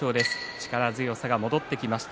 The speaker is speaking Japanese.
力強さが戻ってきました。